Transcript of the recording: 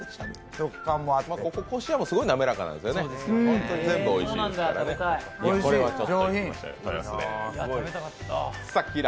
ここ、こしあんもすごい滑らかなんですよね、本当に全部おいしいですからね、豊洲ね。